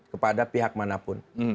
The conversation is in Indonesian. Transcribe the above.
kepada pihak manapun